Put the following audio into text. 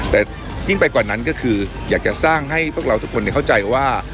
แต่ยิ่งไปกว่านั้นก็คืออยากจะสร้างให้พวกเราทุกคนเข้าใจว่า